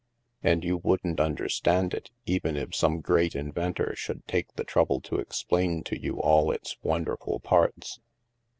And you wouldn't understand it, even if some great inventor should take the trouble to explain to you all its wonderful parts."